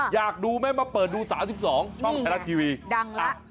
อยากดูไหมมาเปิดดูสารที่สองต้องไทยรัฐทีวีดังละ